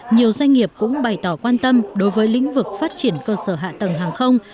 nhiều doanh nghiệp cũng bày tỏ quan tâm đối với lĩnh vực phát triển cơ sở hạ tầng hàng không